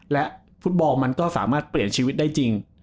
และฟุตบอลมันก็สามารถเปลี่ยนชีวิตได้จริง